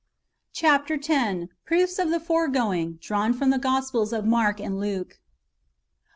Chap. x. — Proofs of the foregoing^ drawn from the Gospels of Mark and Luke.